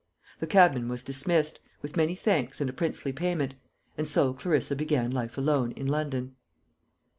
The cabman was dismissed, with many thanks and a princely payment; and so Clarissa began life alone in London.